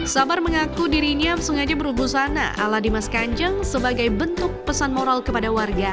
sabar mengaku dirinya sengaja berbusana ala dimas kanjeng sebagai bentuk pesan moral kepada warga